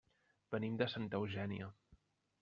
Venim de Santa Eugènia.